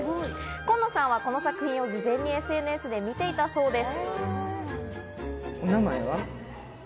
コンノさんはこの作品を事前にＳＮＳで見ていたそうです。